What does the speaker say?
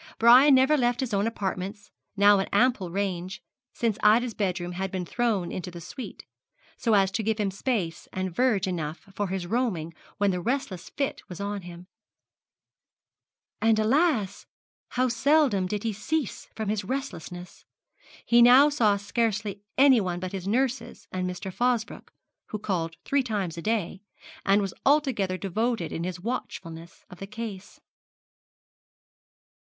Brian never left his own apartments, now an ample range, since Ida's bedroom had been thrown into the suite, so as to give him space and verge enough for his roaming when the restless fit was on him: and, alas! how seldom did he cease from his restlessness. He now saw scarcely anyone but his nurses and Mr. Fosbroke, who called three times a day, and was altogether devoted in his watchfulness of the case.